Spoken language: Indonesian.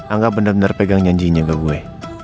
angga bener bener pegang janjinya ke gue